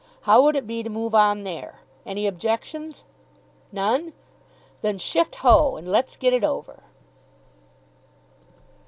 How would it be to move on there? Any objections? None? Then shift ho! and let's get it over."